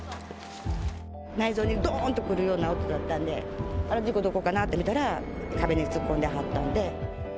内臓にどーんとくるような音だったんで、あれ事故どこかなって思って見たら、壁に突っ込んではったんで。